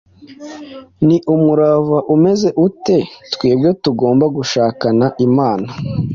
Ni umurava umuze ute twebwe tugomba gushakana Imana,